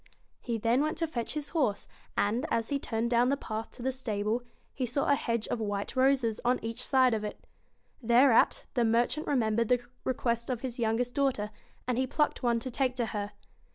He then went to fetch his horse, and, as he turned down the path to the stable, he saw a hedge of white roses on each side of it Thereat the merchant remembered the request of his youngest daughter, and he plucked one to take to her.